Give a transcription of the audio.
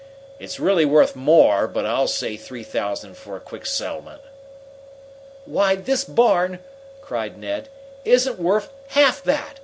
It's really worth more, but I'll say three thousand for a quick settlement." "Why, this barn," cried Ned, "isn't worth half that!